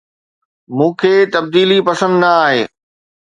مون کي تبديلي پسند نه آهي